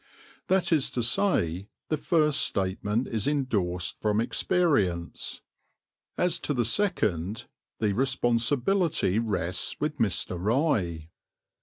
'" That is to say the first statement is endorsed from experience; as to the second the responsibility rests with Mr. Rye.